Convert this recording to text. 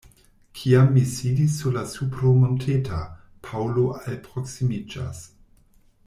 Kiam mi sidis sur la supro monteta, Paŭlo alproksimiĝas.